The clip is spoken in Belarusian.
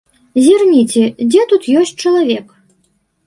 Зірніце, дзе тут ёсць чалавек?